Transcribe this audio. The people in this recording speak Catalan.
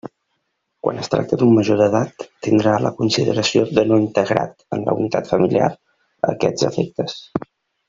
Quan es tracte d'un major d'edat, tindrà la consideració de no integrat en la unitat familiar a aquests efectes.